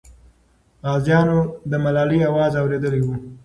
غازیانو د ملالۍ اواز اورېدلی وو.